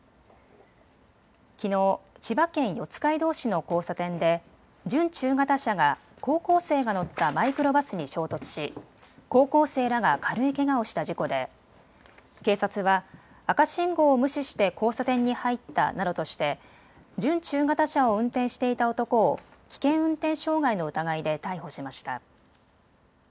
きのう千葉県四街道市の交差点で準中型車が高校生が乗ったマイクロバスに衝突し高校生らが軽いけがをした事故で警察は赤信号を無視して交差点に入ったなどとして準中型車を運転していた男を危険運転傷害の疑いで逮捕しました。